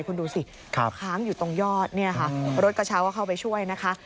คุณดูสิค้างอยู่ตรงยอดเนี่ยค่ะรถกระเช้าก็เข้าไปช่วยนะคะ